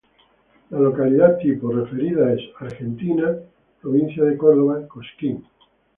La localidad tipo referida es: Argentina, provincia de Córdoba, Cosquín.